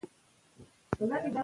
د کندهار کلا ډېره پیاوړې وه.